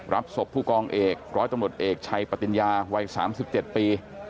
รับศพผู้กองเอกร้อยตำรวจเอกชัยปติญญาวัย๓๗ปี